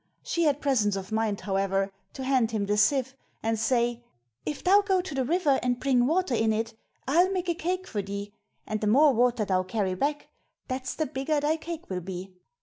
She had presence of mind, however, to hand him the sieve and say: 'If thou go to the river and bring water in it, I'll make a cake for thee; and the more water thou carry back, that's the bigger thy cake will be.'